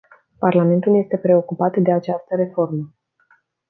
Parlamentul este preocupat de această reformă.